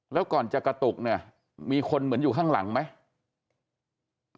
แล้วก่อนจะกระตุกเนี่ยมีคนเหมือนอยู่ข้างหลังไหม